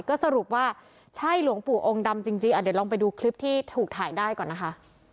ก็สรุปว่าใช่หลวงปู่องค์ดำจริงเดี๋ยวลองไปดูคลิปที่ถูกถ่ายได้ก่อนนะคะ